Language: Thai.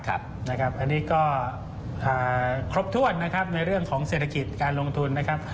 อันนี้ก็ครบถ้วนนะครับในเรื่องของเศรษฐกิจการลงทุนนะครับ